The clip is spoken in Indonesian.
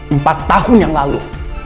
empat tahun yang lalu